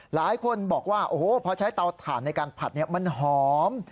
หลายคนบอกว่าโอ้โหพอใช้เตาถ่านในการผัดมันหอม